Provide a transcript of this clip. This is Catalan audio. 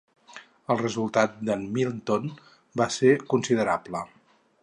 El resultat d'en Minton va ser considerable.